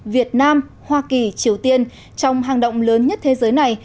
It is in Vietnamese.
việt nam hoa kỳ triều tiên trong hang động lớn nhất thế giới này